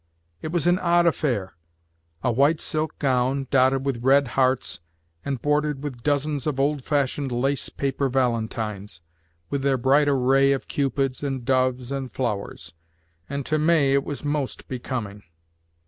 It was an odd affair a white silk gown dotted with red hearts and bordered with dozens of old fashioned lace paper valentines, with their bright array of cupids and doves and flowers; and to May it was most becoming.